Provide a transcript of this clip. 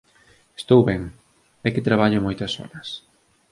Estou ben. É que traballo moitas horas.